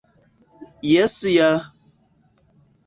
Jes ja...